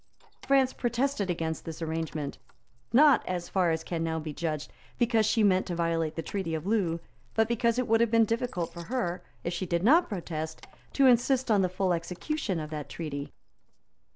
France protested against this arrangement, not, as far as can now be judged, because she meant to violate the Treaty of Loo, but because it would have been difficult for her, if she did not protest, to insist on the full execution of that treaty.